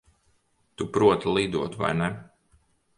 Tu proti lidot, vai ne?